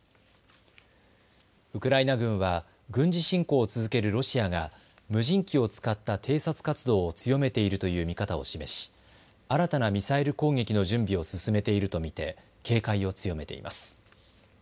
ウクライナ軍は軍事侵攻を続けるロシアが無人機を使った偵察活動を強めているという見方を示し新たなミサイル攻撃の準備を進めていると見て警戒を強めています。